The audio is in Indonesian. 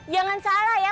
jangan salah ya